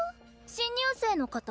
新入生の方？